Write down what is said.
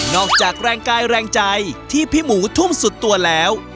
จากแรงกายแรงใจที่พี่หมูทุ่มสุดตัวแล้ว